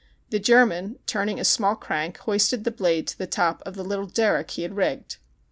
The German, turning a small crank, hoisted the blade to the top of the little derrick he had rigged.